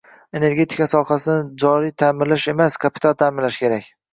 Energetika sohasini joriy taʼmirlash emas kapital tamirlash kerak.